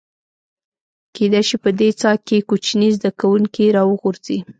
کېدای شي په دې څاه کې کوچني زده کوونکي راوغورځي.